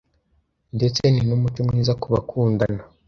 ndetse ni n’umuco mwiza ku bakundana